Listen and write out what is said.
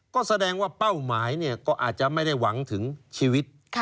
ก็แสดงว่าเป้าหมายก็อาจจะไม่ได้หวังถึงชีวิต